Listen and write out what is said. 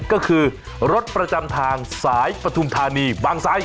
ก็คือรถประจำทางสายปฐุมธานีบางไซค